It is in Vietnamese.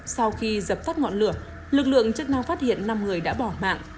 sau khi dập tắt ngọn lửa lực lượng chức năng phát hiện năm người đã bỏ mạng